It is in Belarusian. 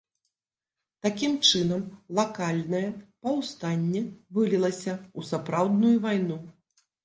Такім чынам лакальнае паўстанне вылілася ў сапраўдную вайну.